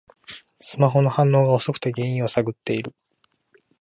スマホの反応が遅くて原因を探ってる